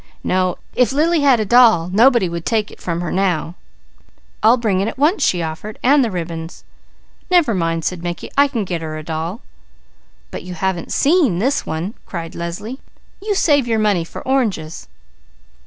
No! If Lily had a doll, nobody would take it from her now." "I'll bring it at once," she offered "and the ribbons." "Never mind," said Mickey. "I can get her a doll." "But you haven't seen this one!" cried Leslie. "You save your money for oranges."